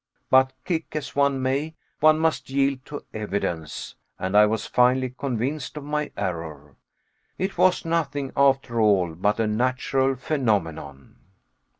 But kick as one may, one must yield to evidence, and I was finally convinced of my error. It was nothing, after all, but a natural phenomenon.